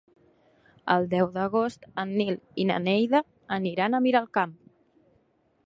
El deu d'agost en Nil i na Neida aniran a Miralcamp.